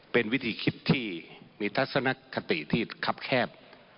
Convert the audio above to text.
เป็นวิธีคิดที่มีทัศนคติที่คับแคบ